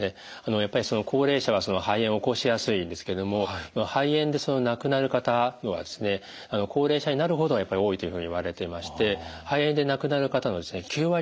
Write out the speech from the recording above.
やっぱり高齢者は肺炎を起こしやすいですけども肺炎で亡くなる方は高齢者になるほどやっぱり多いというふうにいわれていまして。